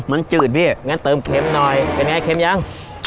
มันจืดพี่งั้นเติมเค็มหน่อยเป็นไงเข็มยัง